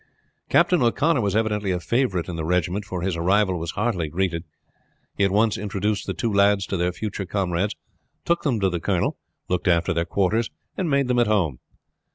Captain O'Connor was evidently a favorite in the regiment, for his arrival was heartily greeted. He at once introduced the two lads to their future comrades, took them to the colonel, looked after their quarters, and made them at home.